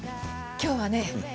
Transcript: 今日はね